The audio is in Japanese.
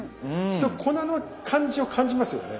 それ粉の感じを感じますよね。